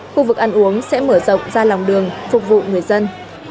khu vực ăn uống sẽ mở rộng ra lòng đường phục vụ người dân